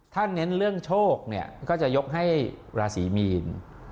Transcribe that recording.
ถ้าเน้นเรื่องโชคเนี่ยก็จะยกให้ราศีมีน